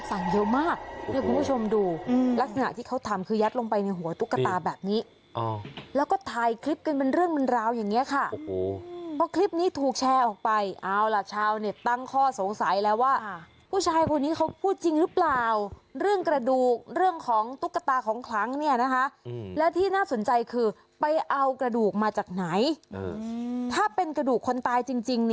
ใส่ลงไปในตุ๊กกระต่าหยิบลงไปทีละชิ้น